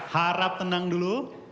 harap tenang dulu